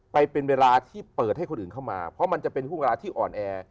ไปเป็นเวลาที่เปิดให้คนอื่นเข้ามาเพราะมันจะเป็นห่วงเวลาที่อ่อนแอ